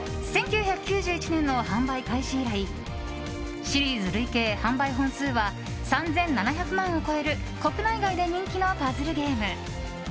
１９９１年の販売開始以来シリーズ累計販売本数は３７００万を超える国内外で人気のパズルゲーム。